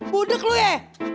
budeg lu ya